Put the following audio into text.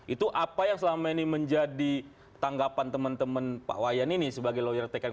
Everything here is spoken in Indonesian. itu apa yang selama ini menjadi tanggapan teman teman pak wayan ini sebagai lawyer tkn